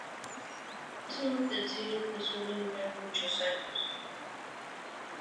Es un utensilio que suele durar muchos años.